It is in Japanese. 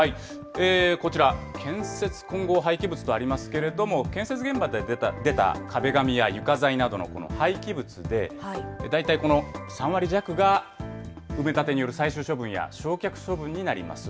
こちら、建設混合廃棄物とありますけれども、建設現場で出た壁紙や床材などの廃棄物で、大体この３割弱が埋め立てによる最終処分や焼却処分になります。